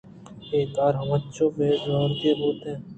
اے کار انچو پہ زوُتی بوت اَنت